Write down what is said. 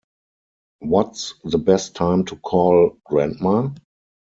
What's the best time to call grandma?